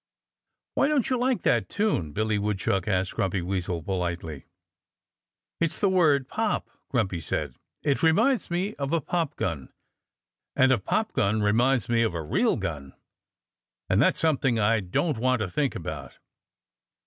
"Why don't you like that tune?" Billy Woodchuck asked Grumpy Weasel politely. "It's that word 'pop,'" Grumpy said. "It reminds me of a pop gun. And a pop gun reminds me of a real gun. And that's something I don't want to think about."